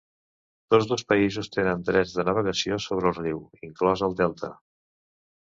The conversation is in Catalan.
Tots dos països tenen drets de navegació sobre el riu, inclòs al delta.